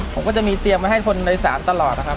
ผมก็จะมีเตียงไว้ให้คนในศาลตลอดนะครับ